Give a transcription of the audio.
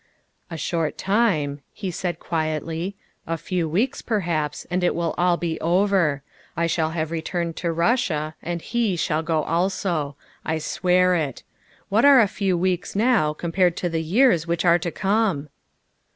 '' A short time, '' he said quietly, '' a few weeks, per haps, and it will all be over. I shall have returned to Russia and he shall go also. I swear it. What are a few weeks now compared to the years which are to come?"